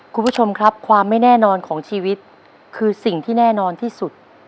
คุณผู้ชมครับความไม่แน่นอนของชีวิตคือสิ่งที่แน่นอนที่สุด